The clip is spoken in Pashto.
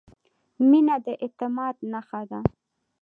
• مینه د اعتماد نښه ده.